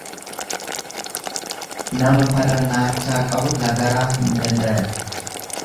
Nama farra naachaa qabu lagaraa hin dandayan.